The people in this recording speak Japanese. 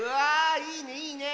いいねいいねえ！